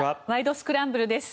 スクランブル」です。